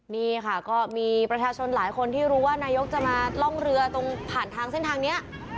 นี่ค่ะก็มีประชาชนหลายคนที่รู้ว่านายกจะมาล่องเรือตรงผ่านทางเส้นทางนี้